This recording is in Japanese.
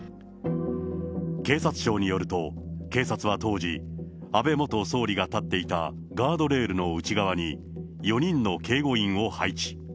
警察庁によると、警察は当時、安倍元総理が立っていたガードレールの内側に、４人の警護員を配置。